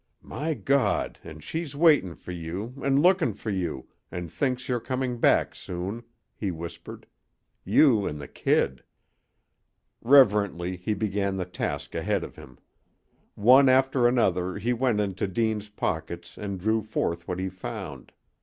"My Gawd, an' she's waitin' for you, 'n' looking for you, an' thinks you're coming back soon," he whispered. "You 'n' the kid!" Reverently he began the task ahead of him. One after another he went into Deane's pockets and drew forth what he found.